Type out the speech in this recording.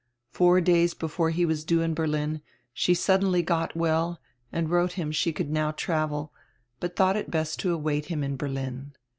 Four days before he was due in Berlin she suddenly got well and wrote him she could now travel, but thought it best to await him in Berlin.